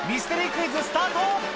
クイズスタート！